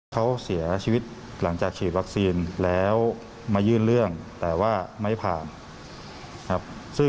เขาเสียชีวิตหลังจากฉีดวัคซีนแล้วมายื่นเรื่องแต่ว่าไม่ผ่านครับ